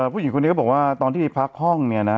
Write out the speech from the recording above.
ผู้หญิงคนนี้ก็บอกว่าตอนที่ไปพักห้องเนี่ยนะ